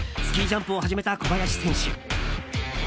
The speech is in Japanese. スキージャンプを始めた小林選手。